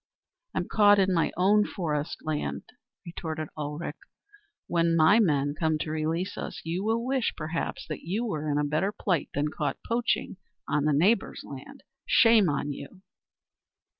"I'm caught in my own forest land," retorted Ulrich. "When my men come to release us you will wish, perhaps, that you were in a better plight than caught poaching on a neighbour's land, shame on you."